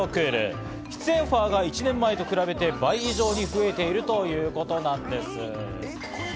出演オファーが１年前と比べて倍以上に増えているということなんです。